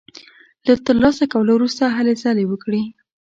له تر لاسه کولو وروسته هلې ځلې وکړي.